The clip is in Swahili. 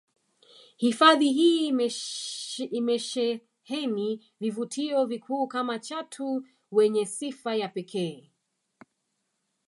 Hifadhi hii imesheheni vivutio vikuu kama chatu wenye sifa ya pekee